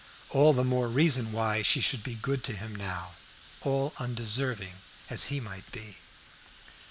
All the more reason why she should be good to him now, all undeserving as he might be.